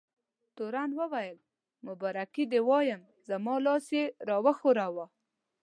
تورن وویل: مبارکي دې وایم، زما لاس یې را وښوراوه.